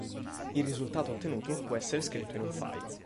Il risultato ottenuto può essere scritto in un file.